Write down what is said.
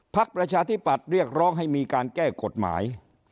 ประชาธิปัตย์เรียกร้องให้มีการแก้กฎหมาย